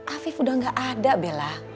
afif udah gak ada bella